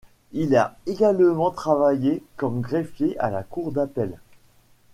Il a également travaillé comme greffier à la Cour d'appel.